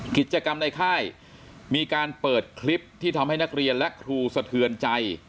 กิจกรรมในค่ายมีการเปิดคลิปที่ทำให้นักเรียนและครูสะเทือนใจ